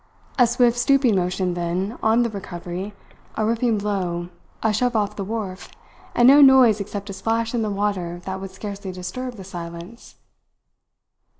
A swift stooping motion, then, on the recovery, a ripping blow, a shove off the wharf, and no noise except a splash in the water that would scarcely disturb the silence.